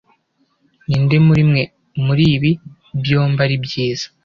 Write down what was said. Ninde murimwe muribi byombi aribyiza?